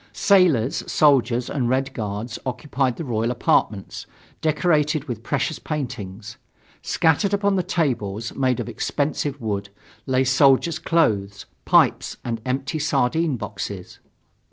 Sailors, soldiers and Red Guards occupied the royal apartments, decorated with precious paintings. Scattered upon the tables, made of expensive wood, lay soldiers' clothes, pipes and empty sardine boxes.